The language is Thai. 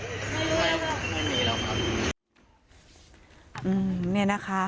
เดี๋ยวตอนนั้นน้องเขารู้สึกตัวไหมมีชุดประจอนไหมไม่มีแล้วครับ